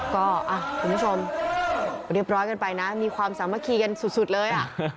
ก็คุณผู้ชมเรียบร้อยกันไปนะมีความสามัคคีกันสุดเลย